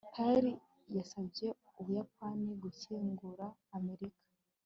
perry yasabye ubuyapani gukingura amerika